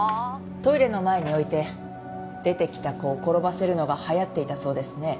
トイレの前に置いて出てきた子を転ばせるのが流行っていたそうですね。